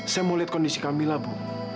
saya mau lihat kondisi kamila bu